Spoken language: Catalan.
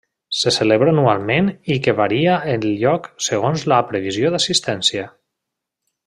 Se celebra anualment i que varia el lloc segons la previsió d'assistència.